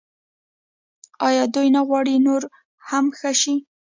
آیا دوی نه غواړي نور هم ښه شي؟